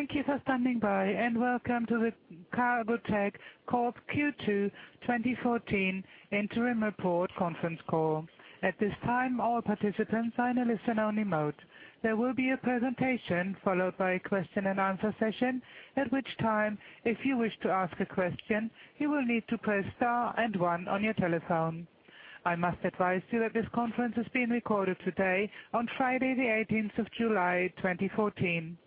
Thank you for standing by, welcome to the Cargotec Corp. Q2 2014 Interim Report Conference Call. At this time, all participants are in a listen-only mode. There will be a presentation followed by a question-and-answer session, at which time if you wish to ask a question, you will need to press star and one on your telephone. I must advise you that this conference is being recorded today on Friday, the 18th of July, 2014.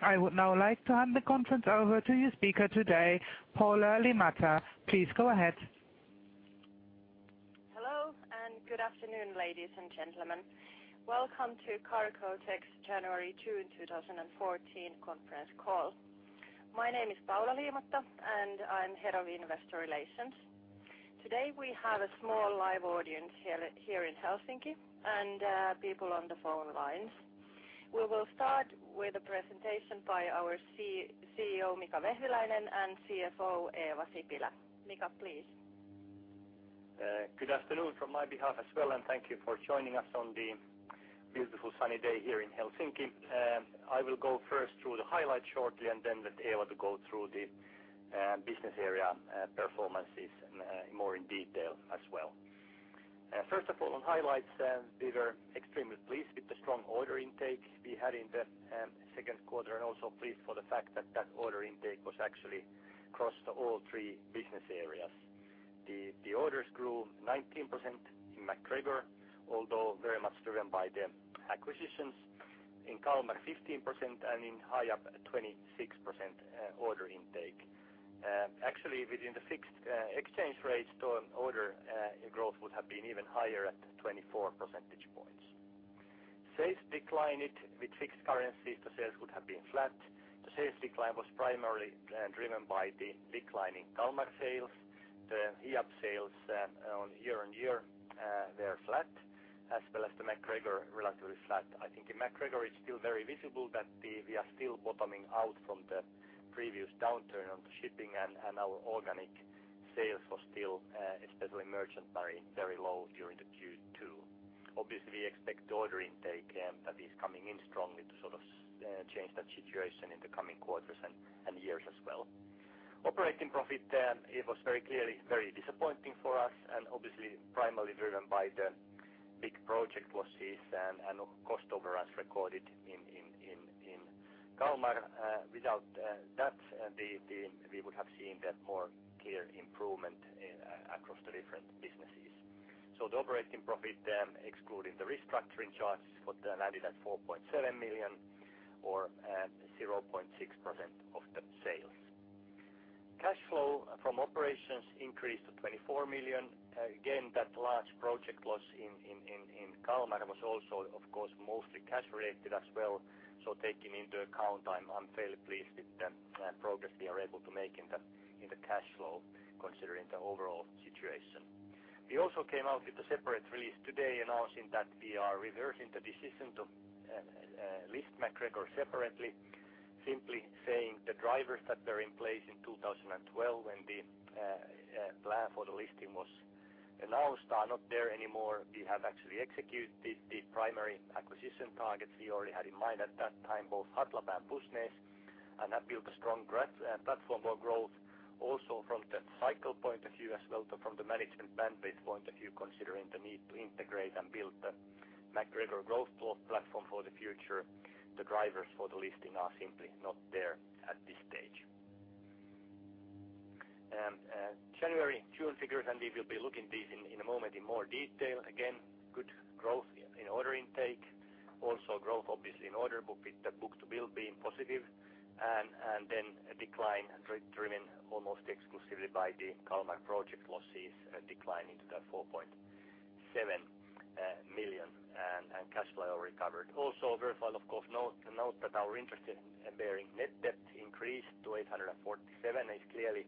I would now like to hand the conference over to your speaker today, Paula Liimatta. Please go ahead. Hello, and good afternoon, ladies and gentlemen. Welcome to Cargotec's January to June 2014 conference call. My name is Paula Liimatta, and I'm head of investor relations. Today, we have a small live audience here in Helsinki and people on the phone lines. We will start with a presentation by our CEO, Mika Vehviläinen, and CFO, Eeva Sipilä. Mika, please. Good afternoon from my behalf as well. Thank you for joining us on the beautiful sunny day here in Helsinki. I will go first through the highlights shortly, then let Eeva to go through the business area performances and more in detail as well. First of all, on highlights, we were extremely pleased with the strong order intake we had in the second quarter, also pleased for the fact that that order intake was actually across all three business areas. The orders grew 19% in MacGregor, although very much driven by the acquisitions. In Kalmar 15% and in Hiab 26% order intake. Actually, within the fixed exchange rates to order, growth would have been even higher at 24 percentage points. Sales declined. With fixed currencies, the sales would have been flat. The sales decline was primarily driven by the declining Kalmar sales. The Hiab sales on year-on-year they are flat, as well as the MacGregor relatively flat. I think in MacGregor it's still very visible that we are still bottoming out from the previous downturn on the shipping and our organic sales were still, especially merchant, very, very low during the Q2. Obviously, we expect order intake that is coming in strongly to sort of change that situation in the coming quarters and years as well. Operating profit it was very clearly very disappointing for us and obviously primarily driven by the big project losses and cost overruns recorded in Kalmar. Without that we would have seen that more clear improvement across the different businesses. The operating profit excluding the restructuring charges for the landed at 4.7 million or 0.6% of the sales. Cash flow from operations increased to 24 million. That large project loss in Kalmar was also of course mostly cash related as well. Taking into account, I'm fairly pleased with the progress we are able to make in the cash flow considering the overall situation. We also came out with a separate release today announcing that we are reversing the decision to list MacGregor separately, simply saying the drivers that were in place in 2012 when the plan for the listing was announced are not there anymore. We have actually executed the primary acquisition targets we already had in mind at that time, both Hatlapa and Pusnes, have built a strong platform for growth. From the cycle point of view as well, so from the management bandwidth point of view, considering the need to integrate and build the MacGregor growth platform for the future, the drivers for the listing are simply not there at this stage. January, June figures, we will be looking these in a moment in more detail. Again, good growth in order intake. Growth obviously in order book with the book-to-bill being positive. Then a decline driven almost exclusively by the Kalmar project losses, declining to 4.7 million, cash flow recovered. Also worthwhile of course note, to note that our interest in bearing net debt increased to 847 is clearly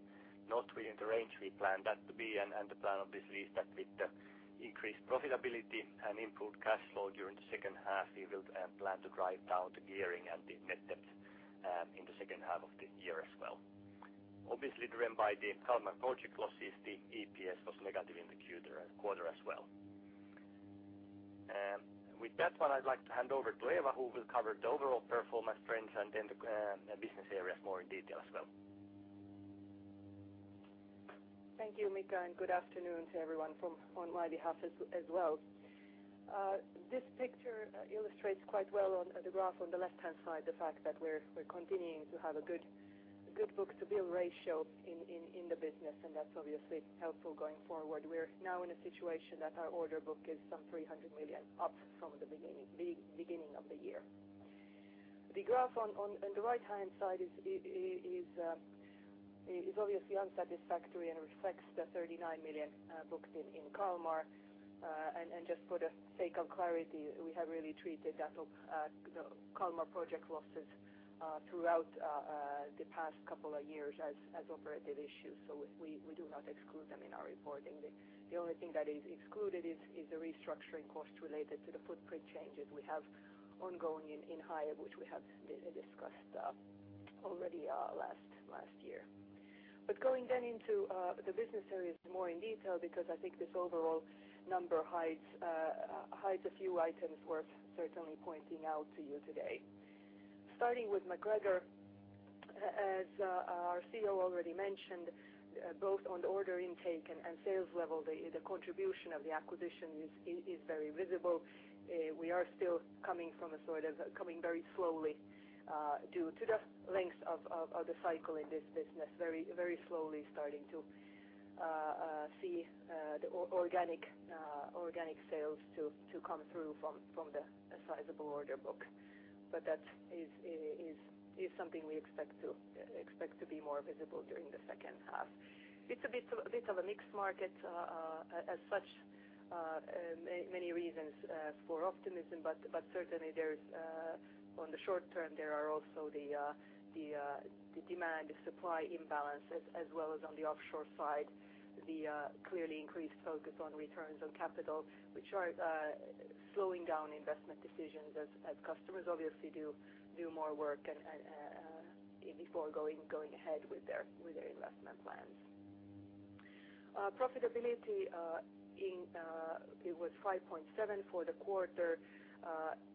not within the range we planned that to be, and the plan obviously is that with the increased profitability and improved cash flow during the second half, we will plan to drive down the gearing and the net debt in the second half of the year as well. Obviously driven by the Kalmar project losses, the EPS was negative in the quarter as well. With that one, I'd like to hand over to Eeva who will cover the overall performance trends and then the business areas more in detail as well. Thank you, Mika, and good afternoon to everyone on my behalf as well. This picture illustrates quite well on the graph on the left-hand side the fact that we're continuing to have a good book-to-bill ratio in the business, and that's obviously helpful going forward. We're now in a situation that our order book is some 300 million up from the beginning of the year. The graph on the right-hand side is obviously unsatisfactory and reflects the 39 million booked in Kalmar. Just for the sake of clarity, we have really treated that the Kalmar project losses throughout the past couple of years as operative issues, so we do not exclude them in our reporting. The only thing that is excluded is the restructuring costs related to the footprint changes we have ongoing in Hiab, which we have discussed already last year. Going then into the business areas more in detail because I think this overall number hides a few items worth certainly pointing out to you today. Starting with MacGregor, as our CEO already mentioned, both on the order intake and sales level, the contribution of the acquisition is very visible. We are still coming from a sort of coming very slowly due to the length of the cycle in this business, very slowly starting to see the organic sales to come through from the sizable order book. That is something we expect to be more visible during the second half. It's a bit of a mixed market, many reasons for optimism, but certainly there's on the short term, there are also the demand supply imbalance as well as on the offshore side, clearly increased focus on returns on capital, which are slowing down investment decisions as customers obviously do more work and before going ahead with their investment plans. Profitability, it was 5.7% for the quarter.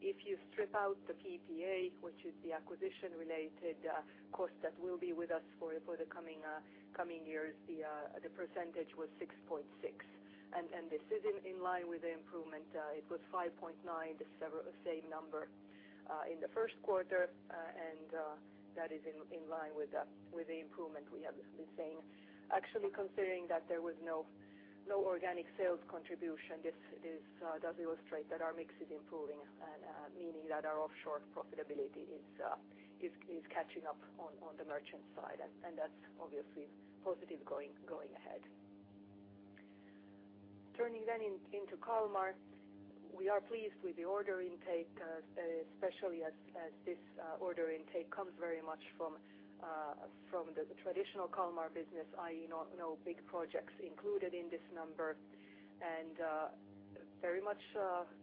If you strip out the PPA, which is the acquisition related cost that will be with us for the coming years, the percentage was 6.6%. This is in line with the improvement. It was 5.9%, the same number in the first quarter, and that is in line with the improvement we have been saying. Actually, considering that there was no organic sales contribution, this does illustrate that our mix is improving and meaning that our offshore profitability is catching up on the merchant side. That's obviously positive going ahead. Turning then into Kalmar, we are pleased with the order intake, especially as this order intake comes very much from the traditional Kalmar business, i.e., no big projects included in this number. Very much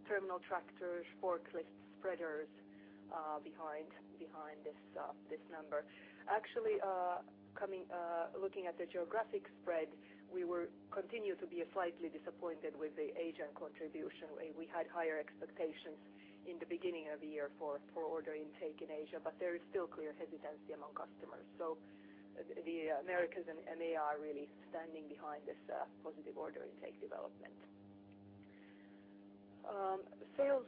terminal tractors, forklifts, spreaders, behind this number. Actually, coming, looking at the geographic spread, we were continue to be slightly disappointed with the Asian contribution. We had higher expectations in the beginning of the year for order intake in Asia, but there is still clear hesitancy among customers. The Americas and they are really standing behind this positive order intake development. Sales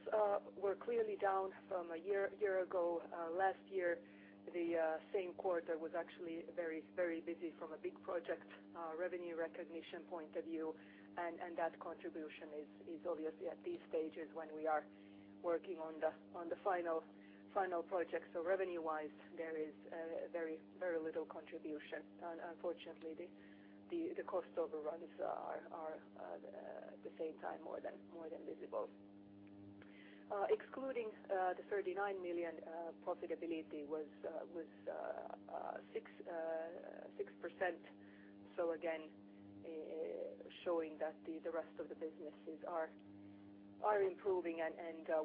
were clearly down from a year ago. Last year, the same quarter was actually very busy from a big project revenue recognition point of view, and that contribution is obviously at these stages when we are working on the final project. Revenue-wise, there is very little contribution. Unfortunately, the cost overruns are at the same time more than visible. Excluding the 39 million, profitability was 6%. Again, showing that the rest of the businesses are improving.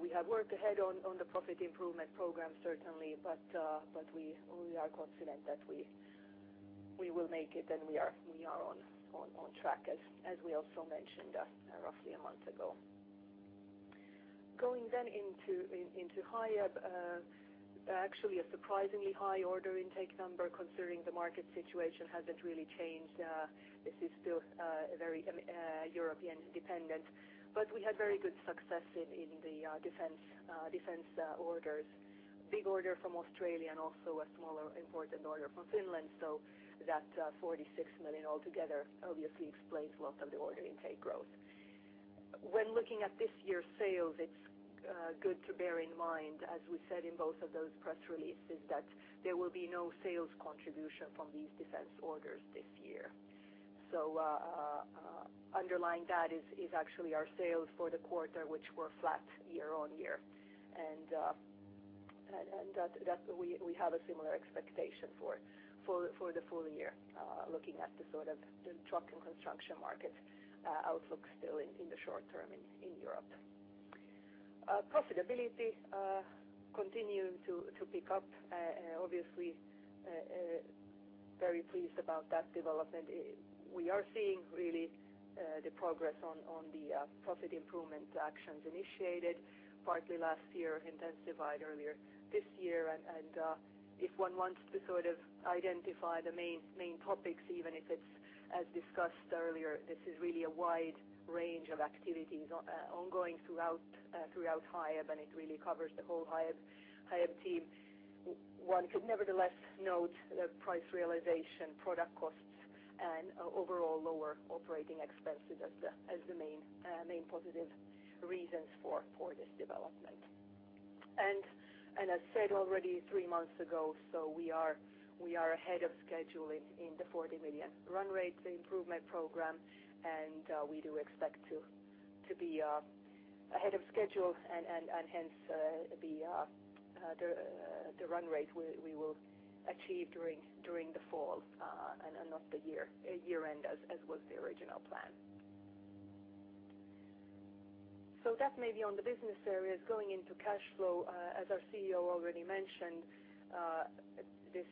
We have worked ahead on the profit improvement program, certainly. We are confident that we will make it, and we are on track as we also mentioned roughly a month ago. Into Hiab, actually a surprisingly high order intake number considering the market situation hasn't really changed. This is still very European dependent, but we had very good success in the defense orders. Big order from Australia and also a smaller important order from Finland. That 46 million altogether obviously explains a lot of the order intake growth. When looking at this year's sales, it's good to bear in mind, as we said in both of those press releases, that there will be no sales contribution from these defense orders this year. Underlying that is actually our sales for the quarter, which were flat year-on-year. That we have a similar expectation for the full year, looking at the sort of the truck and construction market outlook still in the short term in Europe. Profitability continuing to pick up, obviously very pleased about that development. We are seeing really the progress on the profit improvement actions initiated partly last year, intensified earlier this year. If one wants to sort of identify the main topics, even if it's as discussed earlier, this is really a wide range of activities ongoing throughout Hiab, and it really covers the whole Hiab team. One could nevertheless note the price realization, product costs, and overall lower operating expenses as the main positive reasons for this development. As said already three months ago, we are ahead of schedule in the 40 million run rate improvement program, and we do expect to be ahead of schedule and hence, the run rate we will achieve during the fall, and not the year-end as was the original plan. That may be on the business areas going into cash flow. As our CEO already mentioned, this,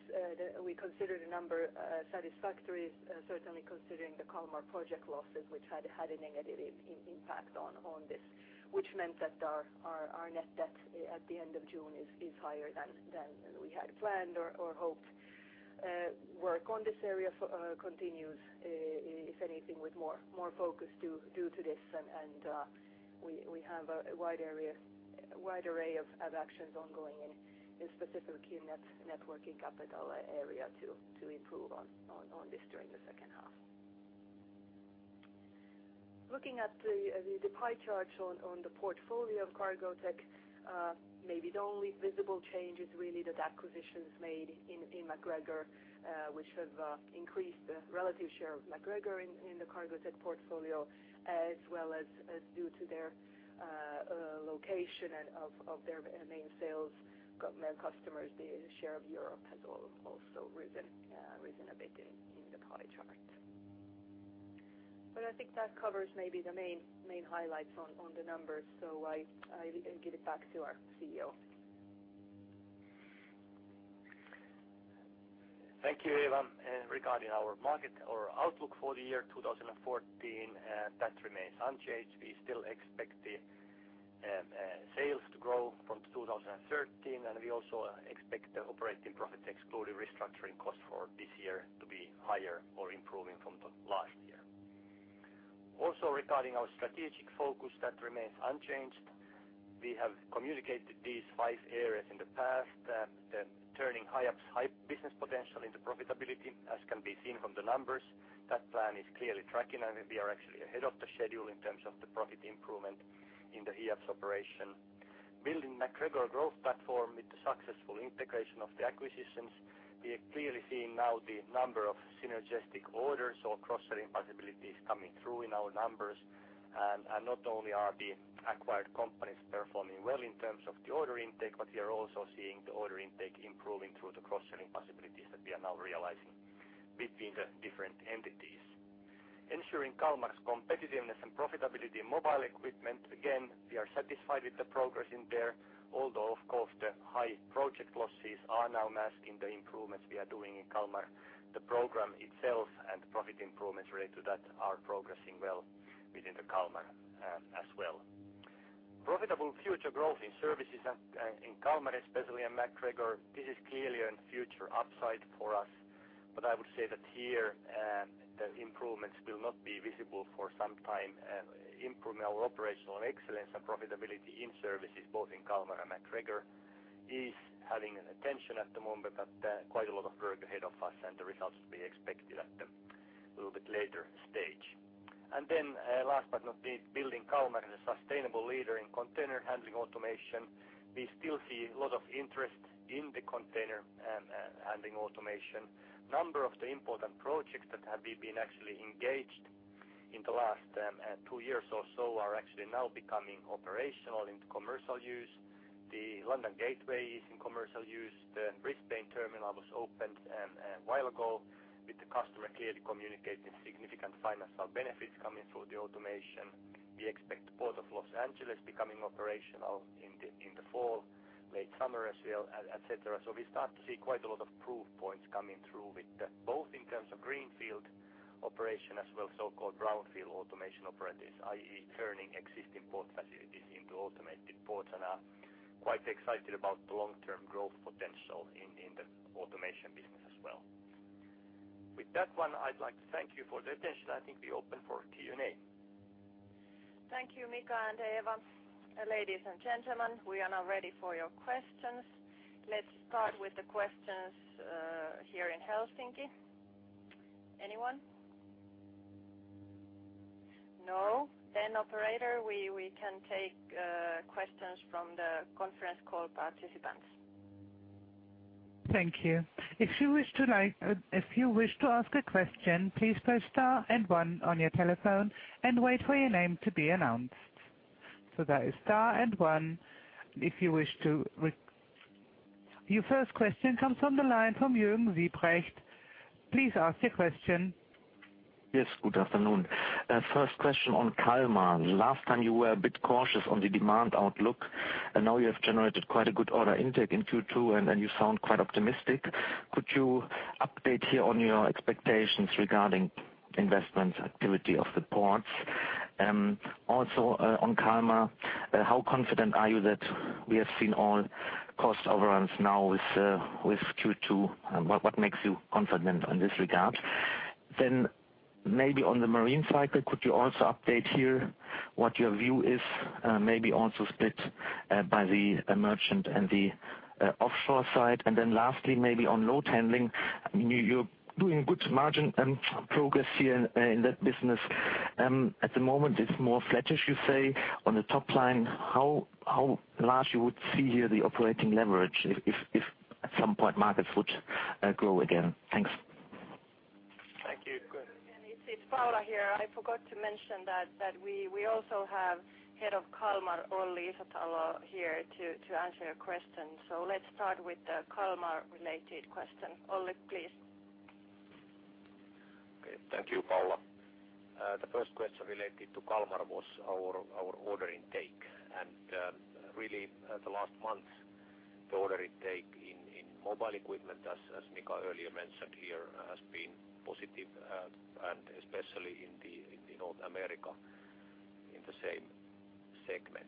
we consider the number satisfactory, certainly considering the Kalmar project losses which had a negative impact on this. Which meant that our net debt at the end of June is higher than we had planned or hoped. Work on this area continues, if anything, with more focus due to this. We have a wide area, wide array of actions ongoing in specific key net working capital area to improve on this during the second half. Looking at the pie charts on the portfolio of Cargotec. Maybe the only visible change is really that acquisitions made in MacGregor, which have increased the relative share of MacGregor in the Cargotec portfolio. As well as due to their location and of their main sales main customers, the share of Europe has also risen a bit in the pie chart. I think that covers maybe the main highlights on the numbers. I give it back to our CEO. Thank you, Eeva. Regarding our market or outlook for the year 2014, that remains unchanged. We still expect the sales to grow from 2013. We also expect the operating profit excluding restructuring costs for this year to be higher or improving from the last year. Regarding our strategic focus, that remains unchanged. We have communicated these five areas in the past. The turning Hiab's high business potential into profitability, as can be seen from the numbers. That plan is clearly tracking, and we are actually ahead of the schedule in terms of the profit improvement in the Hiab's operation. Building MacGregor growth platform with the successful integration of the acquisitions. We are clearly seeing now the number of synergistic orders or cross-selling possibilities coming through in our numbers. Not only are the acquired companies performing well in terms of the order intake. We are also seeing the order intake improving through the cross-selling possibilities that we are now realizing between the different entities. Ensuring Kalmar's competitiveness and profitability in mobile equipment. Again, we are satisfied with the progress in there. Although, of course, the high project losses are now masking the improvements we are doing in Kalmar. The program itself and profit improvements related to that are progressing well within the Kalmar as well. Profitable future growth in services and in Kalmar especially and MacGregor. This is clearly a future upside for us. I would say that here, the improvements will not be visible for some time. Improving our operational excellence and profitability in services both in Kalmar and MacGregor is having an attention at the moment. Quite a lot of work ahead of us, and the results will be expected at a little bit later stage. Last but not least, building Kalmar as a sustainable leader in container handling automation. We still see a lot of interest in the container handling automation. Number of the important projects that have been actually engaged in the last two years or so are actually now becoming operational into commercial use. The London Gateway is in commercial use. The Brisbane Terminal was opened a while ago, with the customer clearly communicating significant financial benefits coming through the automation. We expect Port of Los Angeles becoming operational in the fall, late summer as well, et cetera. We start to see quite a lot of proof points coming through with both in terms of greenfield operation as well as so-called brownfield automation operations, i.e., turning existing port facilities into automated ports. Are quite excited about the long-term growth potential in the automation business as well. With that one, I'd like to thank you for the attention. I think we open for Q&A. Thank you, Mika and Eeva. Ladies and gentlemen, we are now ready for your questions. Let's start with the questions here in Helsinki. Anyone? No? Operator, we can take questions from the conference call participants. Thank you. If you wish to like, if you wish to ask a question, please press star and one on your telephone and wait for your name to be announced. That is star and one if you wish to re-. Your first question comes from the line from Juergen Siebrecht. Please ask your question. Yes. Good afternoon. First question on Kalmar. Last time you were a bit cautious on the demand outlook, now you have generated quite a good order intake in Q2, and you sound quite optimistic. Could you update here on your expectations regarding investment activity of the ports? Also, on Kalmar, how confident are you that we have seen all cost overruns now with Q2? What makes you confident in this regard? Maybe on the marine cycle, could you also update here what your view is? Maybe also split by the merchant and the offshore side. Lastly, maybe on load handling, I mean, you're doing good margin progress here in that business. At the moment it's more flattish, you say, on the top line. How large you would see here the operating leverage if at some point markets would grow again? Thanks. Thank you. Go ahead. It's Paula here. I forgot to mention that we also have Head of Kalmar, Olli Isotalo here to answer your question. Let's start with the Kalmar-related question. Olli, please. Okay, thank you, Paula. The first question related to Kalmar was our order intake. Really the last month, the order intake in mobile equipment as Mika earlier mentioned here, has been positive, and especially in the North America, in the same segment.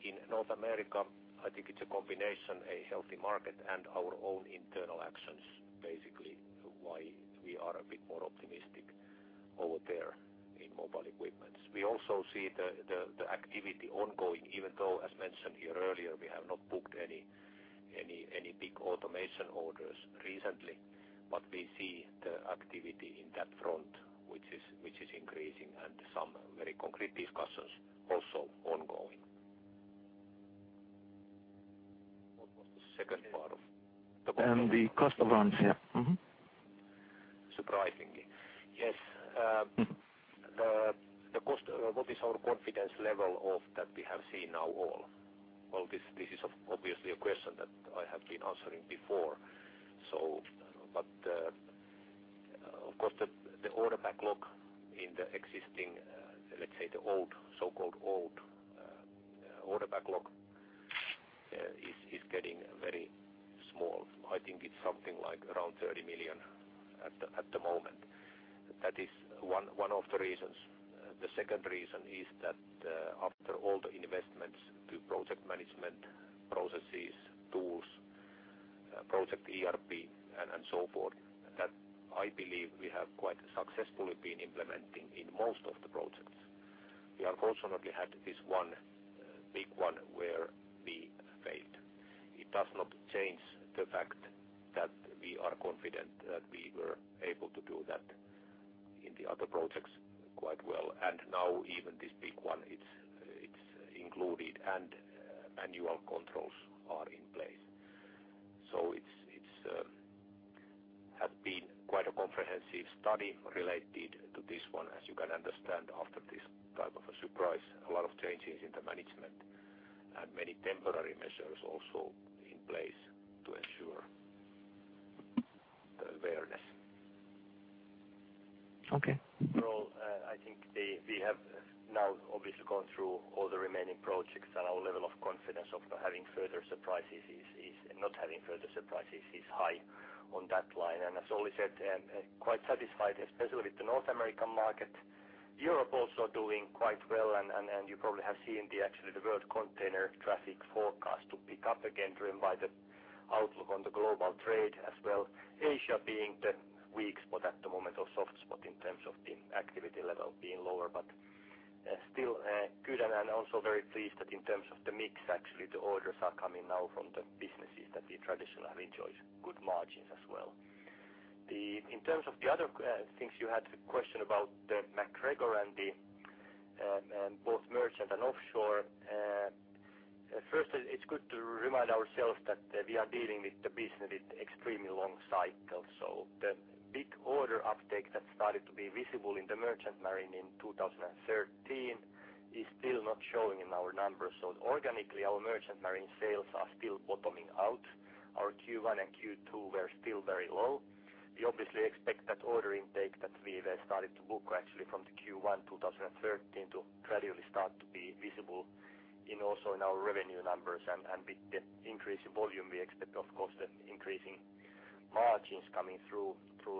In North America, I think it's a combination, a healthy market and our own internal actions, basically why we are a bit more optimistic over there in mobile equipments. We also see the activity ongoing, even though as mentioned here earlier, we have not booked any big automation orders recently, but we see the activity in that front, which is increasing and some very concrete discussions also ongoing. What was the second part of- The cost of runs, yeah. Mm-hmm. Surprisingly. Yes. What is our confidence level of that we have seen now all? Well, this is obviously a question that I have been answering before. Of course, the order backlog in the existing, let's say the old, so-called old, order backlog, is getting very small. I think it's something like around 30 million at the moment. That is one of the reasons. The second reason is that, after all the investments to project management, processes, tools, Project ERP, and so forth, that I believe we have quite successfully been implementing in most of the projects. We have also not had this one big one where we failed. It does not change the fact that we are confident that we were able to do that in the other projects quite well. Now even this big one, it's included and annual controls are in place. It's have been quite a comprehensive study related to this one. As you can understand, after this type of a surprise, a lot of changes in the management and many temporary measures also in place to ensure the awareness. Okay. I think we have now obviously gone through all the remaining projects and our level of confidence of having further surprises is not having further surprises is high on that line. As Olli said, quite satisfied, especially with the North American market. Europe also doing quite well and you probably have seen the actually the world container traffic forecast to pick up again, driven by the outlook on the global trade as well. Asia being the weak spot at the moment or soft spot in terms of the activity level being lower, but still good. Also very pleased that in terms of the mix, actually, the orders are coming now from the businesses that we traditionally have enjoyed good margins as well. In terms of the other things you had to question about the MacGregor and the both merchant and offshore. First, it's good to remind ourselves that we are dealing with the business with extremely long cycle. The big order uptake that started to be visible in the merchant marine in 2013 is still not showing in our numbers. Organically, our merchant marine sales are still bottoming out. Our Q1 and Q2 were still very low. We obviously expect that order intake that we have started to book actually from the Q1, 2013 to gradually start to be visible in also in our revenue numbers. With the increase in volume, we expect, of course, the increasing margins coming through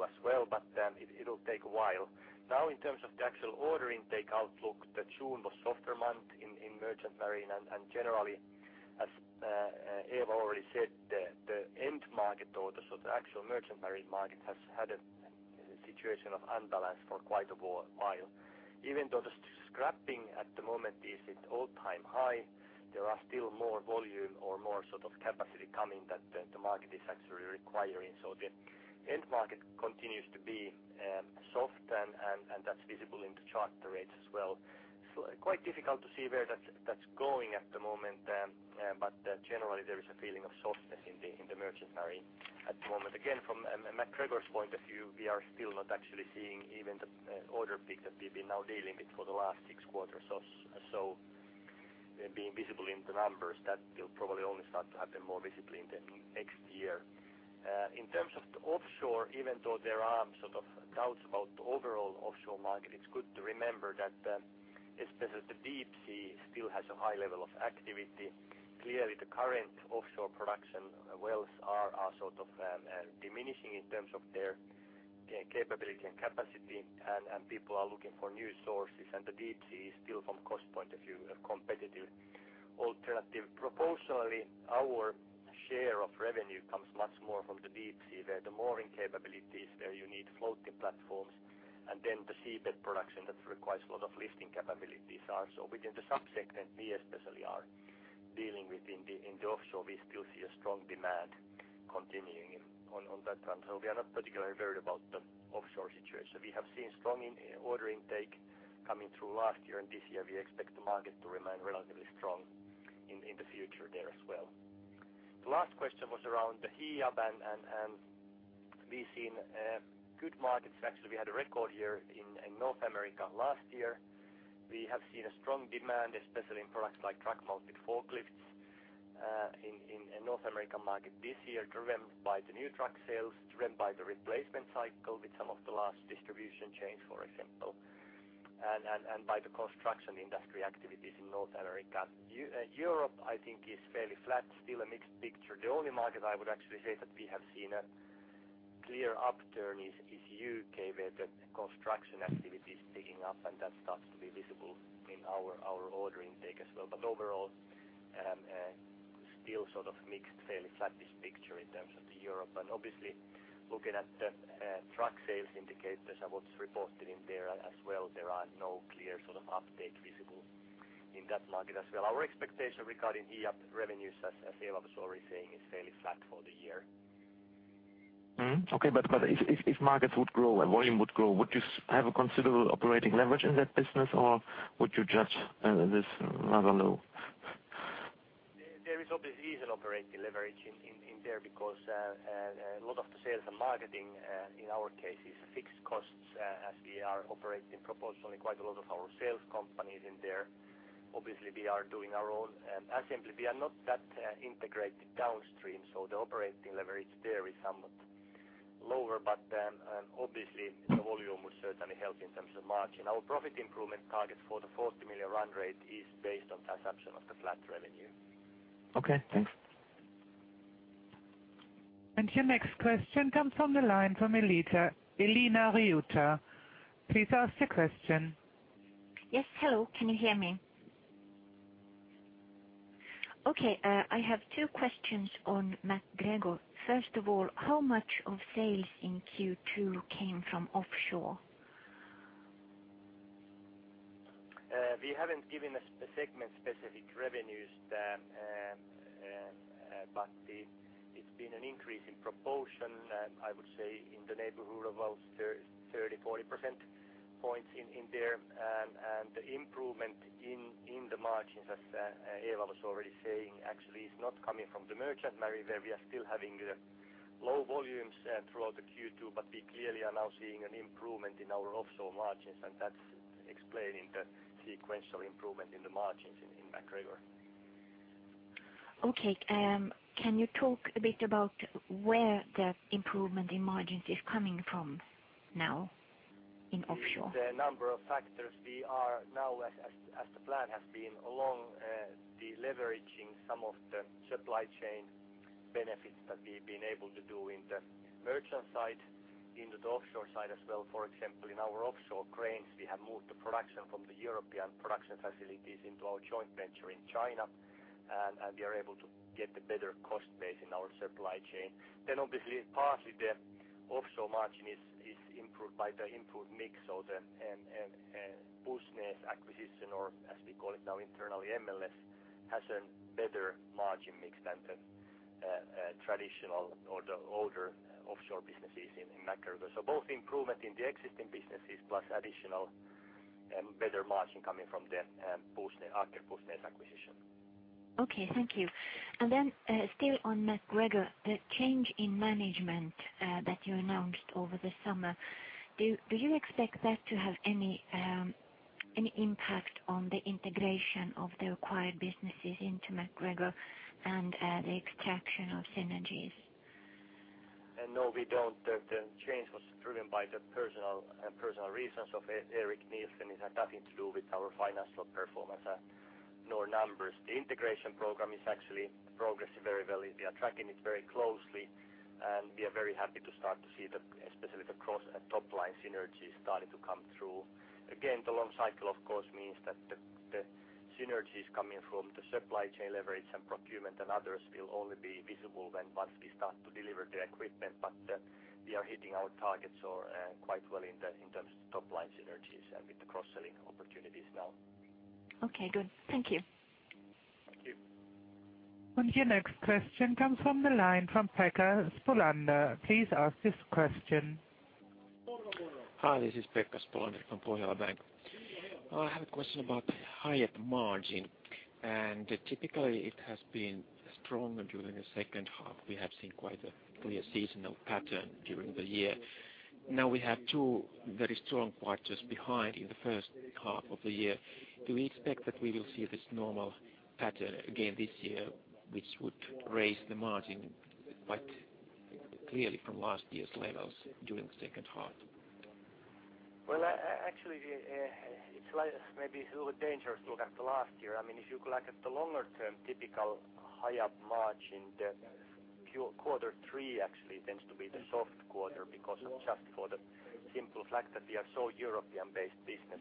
as well. It'll take a while. Now in terms of the actual order intake outlook, the June was softer month in merchant marine. Generally, as Eeva already said, the end market orders or the actual merchant marine market has had a situation of unbalance for quite a while. Even though the scrapping at the moment is at all-time high, there are still more volume or more sort of capacity coming that the market is actually requiring. The end market continues to be soft and that's visible in the charter rates as well. It's quite difficult to see where that's going at the moment, but generally, there is a feeling of softness in the, in the merchant marine at the moment. Again, from MacGregor's point of view, we are still not actually seeing even the order peak that we've been now dealing with for the last six quarters or so being visible in the numbers. That will probably only start to happen more visibly in the next year. In terms of the offshore, even though there are sort of doubts about the overall offshore market, it's good to remember that especially the deep sea still has a high level of activity. Clearly, the current offshore production wells are sort of diminishing in terms of their capability and capacity, and people are looking for new sources. The deep sea is still from cost point of view, a competitive alternative. Proportionally, our share of revenue comes much more from the deep sea, where the mooring capabilities, where you need floating platforms, and then the seabed production that requires a lot of lifting capabilities are. Within the subsegment, we especially are dealing with in the offshore, we still see a strong demand continuing on that front. We are not particularly worried about the offshore situation. We have seen strong in order intake coming through last year and this year. We expect the market to remain relatively strong in the future there as well. The last question was around the Hiab and we've seen good markets. Actually, we had a record year in North America last year. We have seen a strong demand, especially in products like truck-mounted forklifts in North American market this year, driven by the new truck sales, driven by the replacement cycle with some of the large distribution chains, for example, and by the construction industry activities in North America. Europe, I think, is fairly flat, still a mixed picture. The only market I would actually say that we have seen a clear upturn is U.K., where the construction activity is picking up and that starts to be visible in our order intake as well. Overall, still sort of mixed, fairly flattish picture in terms of the Europe. Obviously looking at the truck sales indicators and what's reported in there as well, there are no clear sort of uptake visible in that market as well. Our expectation regarding Hiab revenues, as Eeva was already saying, is fairly flat for the year. Okay, if markets would grow and volume would grow, would you have a considerable operating leverage in that business, or would you judge this rather low? There is obviously an operating leverage in there because a lot of the sales and marketing in our case is fixed costs as we are operating proportionally quite a lot of our sales companies in there. Obviously, we are doing our own assembly. We are not that integrated downstream, so the operating leverage there is somewhat lower. Obviously the volume would certainly help in terms of margin. Our profit improvement target for the 40 million run rate is based on the assumption of the flat revenue. Okay, thanks. Your next question comes from the line from Elina Riutta. Please ask the question. Yes. Hello. Can you hear me? Okay. I have two questions on MacGregor. First of all, how much of sales in Q2 came from offshore? We haven't given a specific revenues there, but it's been an increase in proportion, and I would say in the neighborhood of about 30, 40 percentage points in there. The improvement in the margins, as Eeva was already saying, actually is not coming from the merchant marine, where we are still having the low volumes throughout the Q2, but we clearly are now seeing an improvement in our offshore margins, and that's explaining the sequential improvement in the margins in MacGregor. Okay. Can you talk a bit about where the improvement in margins is coming from now in offshore? It's a number of factors. We are now, as the plan has been along, deleveraging some of the supply chain benefits that we've been able to do in the merchant side, in the offshore side as well. For example, in our offshore cranes, we have moved the production from the European production facilities into our joint venture in China, and we are able to get the better cost base in our supply chain. Obviously, partly the offshore margin is improved by the improved mix of the Business acquisition, or as we call it now internally, MLS, has a better margin mix than the traditional or the older offshore businesses in MacGregor. Both improvement in the existing businesses plus additional better margin coming from the Aker Pusnes acquisition. Okay, thank you. Still on MacGregor, the change in management that you announced over the summer, do you expect that to have any impact on the integration of the acquired businesses into MacGregor and the extraction of synergies? No, we don't. The change was driven by personal reasons of Eric Nielsen. It had nothing to do with our financial performance, nor numbers. The integration program is actually progressing very well. We are tracking it very closely, and we are very happy to start to see the, especially the cross and top-line synergies starting to come through. Again, the long cycle, of course, means that the synergies coming from the supply chain leverage and procurement and others will only be visible when once we start to deliver the equipment. We are hitting our targets, so, quite well in terms of top-line synergies and with the cross-selling opportunities now. Okay, good. Thank you. Thank you. Your next question comes from the line from Pekka Spolander. Please ask this question. Hi, this is Pekka Spolander from Pohjola Bank. I have a question about Hiab margin. Typically, it has been stronger during the second half. We have seen quite a clear seasonal pattern during the year. Now we have two very strong quarters behind in the first half of the year. Do we expect that we will see this normal pattern again this year, which would raise the margin quite clearly from last year's levels during the second half? Well, actually, maybe it's a little bit dangerous to look at the last year. I mean, if you look at the longer term typical Hiab margin, the quarter three actually tends to be the soft quarter because of just for the simple fact that we are so European-based business.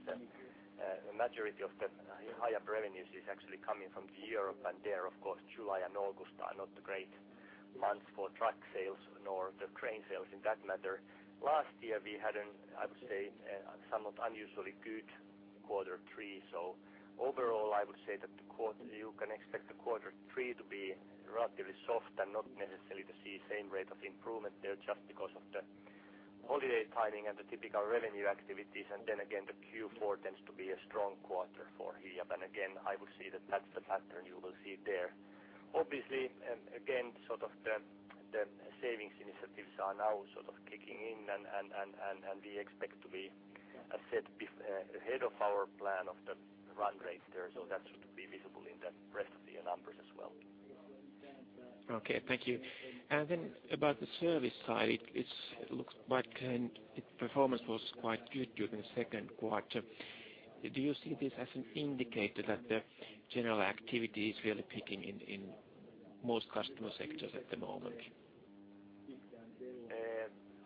A majority of the Hiab revenues is actually coming from Europe, and there, of course, July and August are not the great months for truck sales, nor the crane sales in that matter. Last year, we had an, I would say, somewhat unusually good quarter three. Overall, I would say that you can expect the quarter three to be relatively soft and not necessarily to see same rate of improvement there just because of the holiday timing and the typical revenue activities. Then again, the Q4 tends to be a strong quarter for Hiab. Again, I would say that that's the pattern you will see there. Obviously, again, sort of the Savings initiatives are now sort of kicking in and we expect to be ahead of our plan of the run rate there. That should be visible in the rest of the numbers as well. Okay. Thank you. About the service side, its performance was quite good during the second quarter. Do you see this as an indicator that the general activity is really picking in most customer sectors at the moment?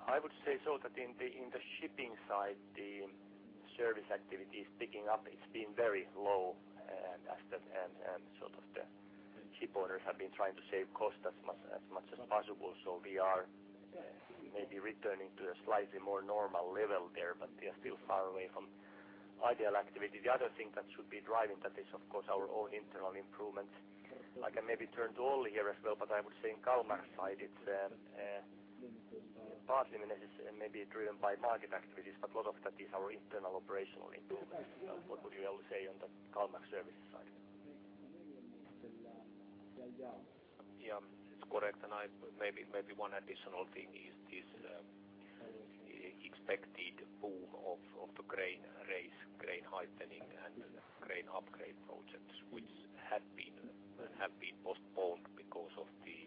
I would say so that in the shipping side, the service activity is picking up. It's been very low as sort of the ship orders have been trying to save costs as much as possible. We are maybe returning to a slightly more normal level there, but we are still far away from ideal activity. The other thing that should be driving that is of course our own internal improvements. I can maybe turn to Olli here as well, but I would say in Kalmar side, it's partly maybe driven by market activities, but a lot of that is our internal operational improvement. What would you Olli say on the Kalmar services side? [inaudible] Yeah. It's correct. maybe one additional thing is this expected boom of the crane race, crane heightening and crane upgrade projects, which have been postponed because of the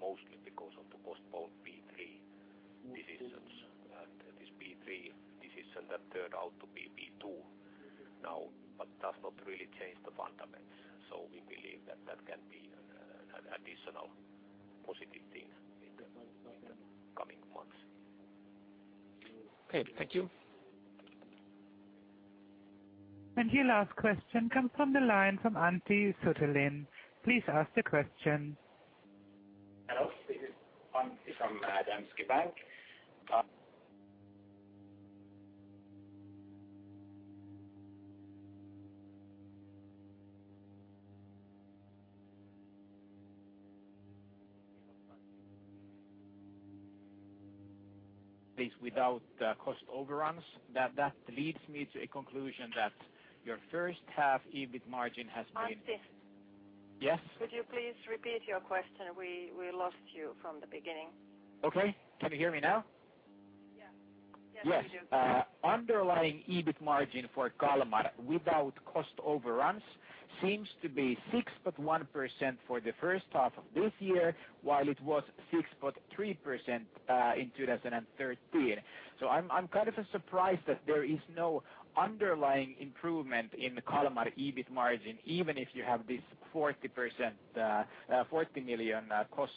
postponed P3 decisions. This P3 decision that turned out to be P2 now but does not really change the fundamentals. We believe that that can be an additional positive thing in the coming months. Okay. Thank you. Your last question comes from the line from Antti Suttelin. Please ask the question. Hello this is Antti from Danske Bank. Please without the cost overruns. That leads me to a conclusion that your first half EBIT margin has been- Antti. Yes. Could you please repeat your question? We lost you from the beginning. Okay. Can you hear me now? Yeah. Yes, we do. Yes. Underlying EBIT margin for Kalmar without cost overruns seems to be 6.1% for the first half of this year, while it was 6.3% in 2013. I'm kind of surprised that there is no underlying improvement in the Kalmar EBIT margin, even if you have this 40%, 40 million cost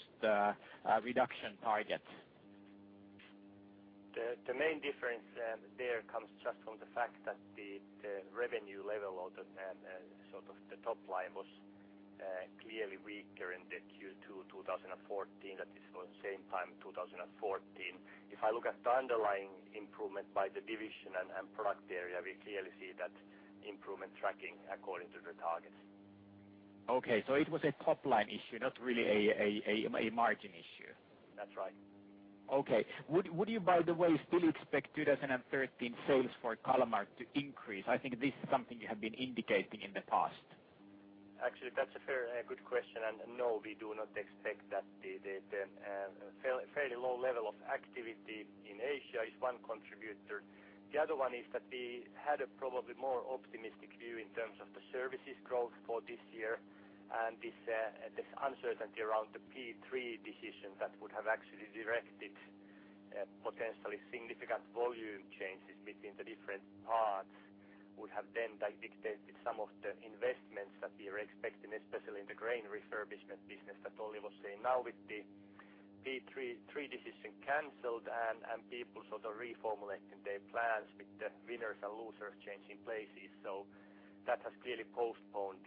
reduction target. The main difference there comes just from the fact that the revenue level of the sort of the top line was clearly weaker in the Q2 2014. That is for the same time, 2014. If I look at the underlying improvement by the division and product area, we clearly see that improvement tracking according to the targets. Okay. it was a top line issue, not really a, a margin issue. That's right. Okay. Would you by the way, still expect 2013 sales for Kalmar to increase? I think this is something you have been indicating in the past. Actually, that's a fair, a good question, and no, we do not expect that. The, the fairly low level of activity in Asia is one contributor. The other one is that we had a probably more optimistic view in terms of the services growth for this year and this uncertainty around the P3 decision that would have actually directed potentially significant volume changes between the different parts. Would have then dictated some of the investments that we are expecting, especially in the crane refurbishment business that Olli was saying. Now with the P3 decision canceled and people sort of reformulating their plans with the winners and losers changing places. That has clearly postponed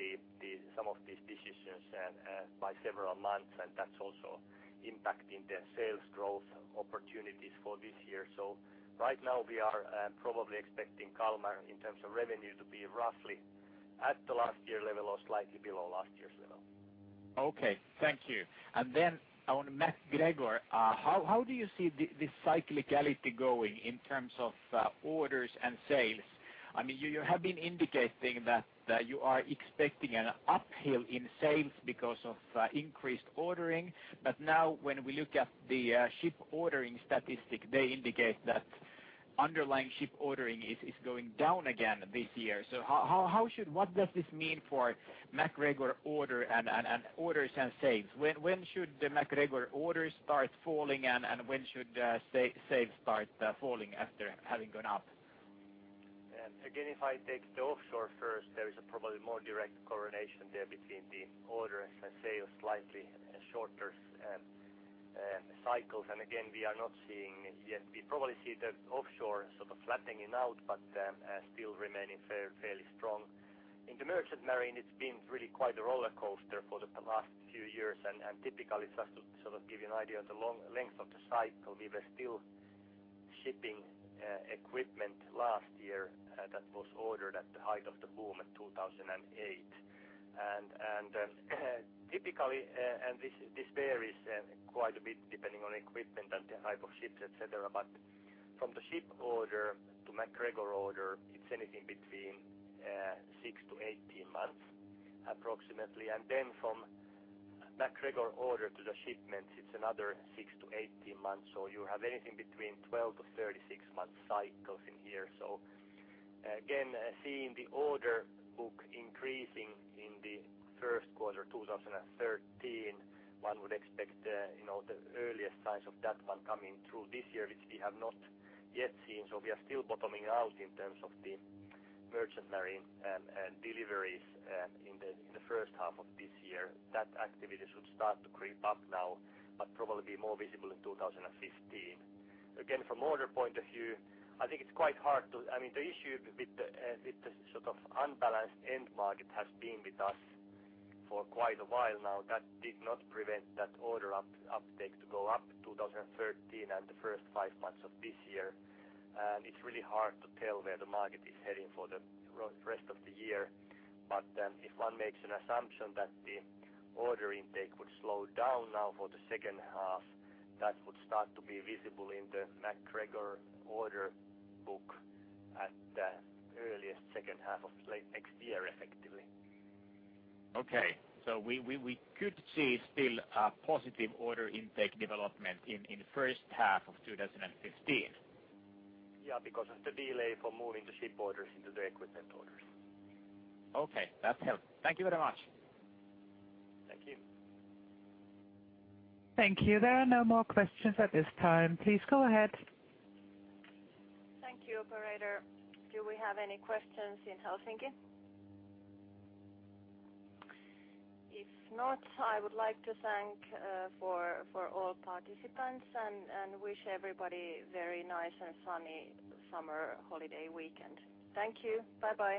some of these decisions and by several months, and that's also impacting the sales growth opportunities for this year. Right now we are, probably expecting Kalmar in terms of revenue to be roughly at the last year level or slightly below last year's level. Okay. Thank you. Then on MacGregor, how do you see this cyclicality going in terms of orders and sales? I mean, you have been indicating that you are expecting an uphill in sales because of increased ordering. Now when we look at the ship ordering statistic, they indicate that underlying ship ordering is going down again this year. How should... what does this mean for MacGregor order and orders and sales? When should the MacGregor orders start falling and when should sales start falling after having gone up? If I take the offshore first, there is a probably more direct correlation there between the orders and sales slightly and shorter, cycles. We are not seeing yet. We probably see the offshore sort of flattening out but, still remaining fairly strong. In the merchant marine it's been really quite a rollercoaster for the last few years and, typically just to sort of give you an idea of the long length of the cycle, we were still shipping, equipment last year, that was ordered at the height of the boom in 2008. Typically, and this varies, quite a bit depending on equipment and the type of ships, et cetera. From the ship order to MacGregor order, it's anything between 6-18 months approximately, and then from MacGregor order to the shipment, it's another 6-18 months. You have anything between 12-36 months cycles in here. Again, seeing the order book increasing in the first quarter 2013, one would expect, you know, the earliest signs of that one coming through this year, which we have not yet seen. We are still bottoming out in terms of the merchant marine deliveries in the first half of this year. That activity should start to creep up now, but probably be more visible in 2015. Again, from order point of view, I think it's quite hard to... I mean, the issue with the with the sort of unbalanced end market has been with us for quite a while now. That did not prevent that order uptake to go up 2013 and the first five months of this year. It's really hard to tell where the market is heading for the rest of the year. If one makes an assumption that the order intake would slow down now for the second half, that would start to be visible in the MacGregor order book at the earliest second half of late next year, effectively. We could see still a positive order intake development in the first half of 2015? Yeah, because of the delay for moving the ship orders into the equipment orders. Okay, that's helpful. Thank you very much. Thank you. Thank you. There are no more questions at this time. Please go ahead. Thank you, operator. Do we have any questions in Helsinki? If not, I would like to thank for all participants and wish everybody very nice and sunny summer holiday weekend. Thank you. Bye-bye.